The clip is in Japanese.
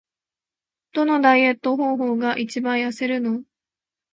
どのダイエット方法が一番痩せるの？